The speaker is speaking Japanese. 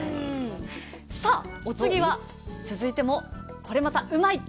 さあお次は続いてもこれまたうまいッ！